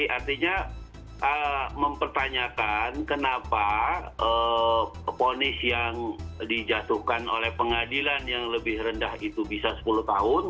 artinya mempertanyakan kenapa ponis yang dijatuhkan oleh pengadilan yang lebih rendah itu bisa sepuluh tahun